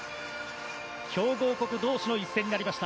強豪国同士の一戦になりました。